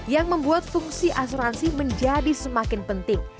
yang membuat fungsi asuransi menjadi semakin penting